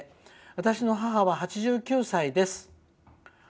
私の母は８９歳です」。